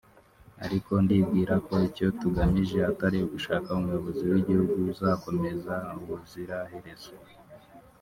" Ariko ndibwira ko icyo tugamije atari ugushaka umuyobozi w’igihugu uzakomeza ubuzira herezo